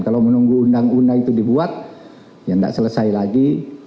kalau menunggu undang undang itu dibuat ya tidak selesai lagi